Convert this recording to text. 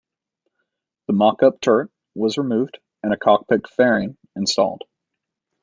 The mock-up turret was removed and a cockpit fairing installed.